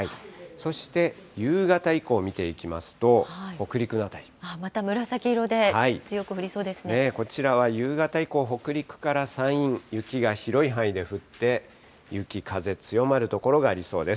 そして夕方以降見ていきますと、また紫色で、強く降りそうでこちらは夕方以降、北陸から山陰、雪が広い範囲で降って、雪、風、強まる所がありそうです。